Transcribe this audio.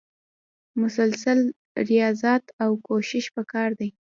مسلسل ریاضت او کوښښ پکار دی.